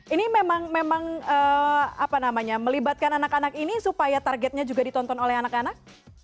ini memang apa namanya melibatkan anak anak ini supaya targetnya juga ditonton oleh anak anak